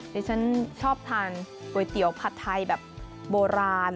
ที่ฉันชอบทานก๋วยเตี๋ยวผัดไทยแบบโบราณ